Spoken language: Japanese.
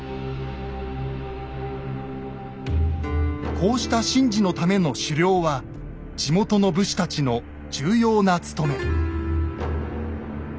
こうした神事のための狩猟は地元の武士たちの重要な務め。